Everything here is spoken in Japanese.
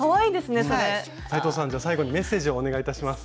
斉藤さんじゃ最後にメッセージをお願いいたします。